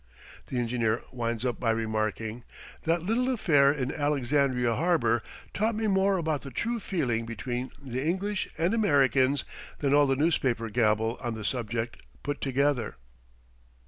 The engineer winds up by remarking: "That little affair in Alexandria harbor taught me more about the true feeling between the English and Americans than all the newspaper gabble on the subject put together."